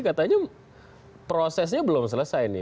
katanya prosesnya belum selesai